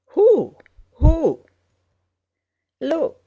"Who? Who?" "Look!